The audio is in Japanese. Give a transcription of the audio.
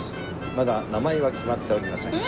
まだ名前は決まっておりません。